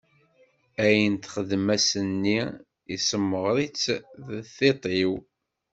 Ayen texdem ass-nni yessemɣer-itt deg tiṭ-iw.